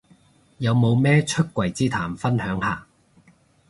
有冇咩出櫃之談分享下